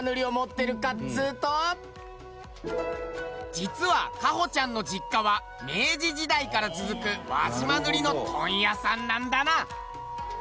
実は花歩ちゃんの実家は明治時代から続く輪島塗の問屋さんなんだな。